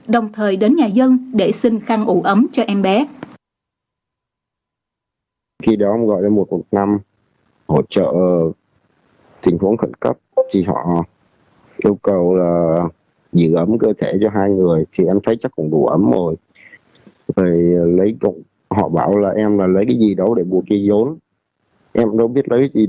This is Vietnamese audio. đồng thời đến nhà dân để xin khăn ủ ấm cho em bé